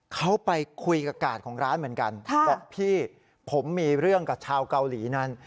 เขาไปคุยกับกาดของร้านเหมือนกันบอกพี่ผมมีเรื่องกับชาวเกาหลีนั้น